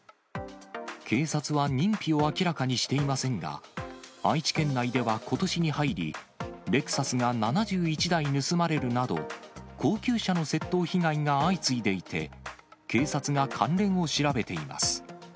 警察は認否を明らかにしていませんが、愛知県内ではことしに入り、レクサスが７１台盗まれるなど、高級車の窃盗被害が相次いでいて、警察が関連を調べています。